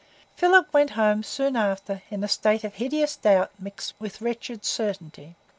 Philip went home soon after in a state of hideous doubt mingled with wretched certainty.